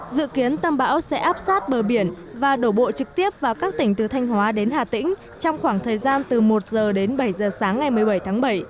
dự kiến tâm bão sẽ áp sát bờ biển và đổ bộ trực tiếp vào các tỉnh từ thanh hóa đến hà tĩnh trong khoảng thời gian từ một h đến bảy giờ sáng ngày một mươi bảy tháng bảy